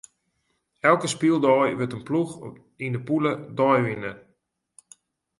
Elke spyldei wurdt in ploech yn de pûle deiwinner.